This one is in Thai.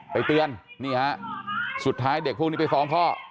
ไปเตือนนี่ฮะสุดท้ายเด็กพวกนี้ไปฟ้องพ่อ